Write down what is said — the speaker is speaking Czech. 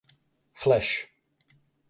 Flash.